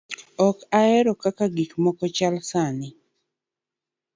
ok ahero kaka gik moko chal sani'